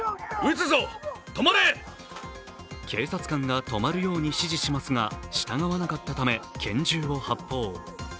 警察官が止まるように指示しますが、従わなかったため拳銃を発砲。